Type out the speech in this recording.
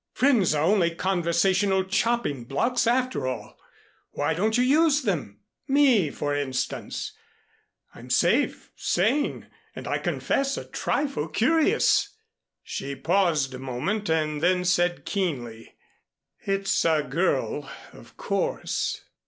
Friends are only conversational chopping blocks after all. Why don't you use them? Me for instance. I'm safe, sane, and I confess a trifle curious." She paused a moment, and then said keenly: "It's a girl, of course."